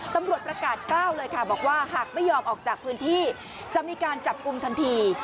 ตำรวจประกาศกล้าวเลยค่ะบอกว่าหากไม่ยอมออกจากพื้นที่จะมีการจับกลุ่มทันที